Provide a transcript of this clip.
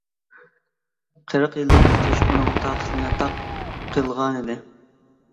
قىرىق يىللىق كۈتۈش ئۇنىڭ تاقىتىنى تاق قىلغانىدى.